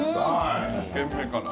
１軒目から。